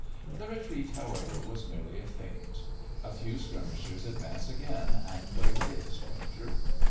The retreat, however, was merely a feint; a few skirmishers advance again, and waylay the stranger.